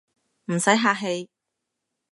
唔使客氣